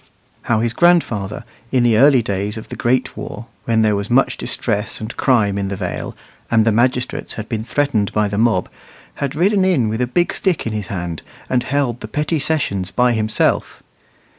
How his grandfather, in the early days of the great war, when there was much distress and crime in the Vale, and the magistrates had been threatened by the mob, had ridden in with a big stick in his hand, and held the petty sessions by himself.